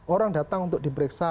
orang datang untuk diperiksa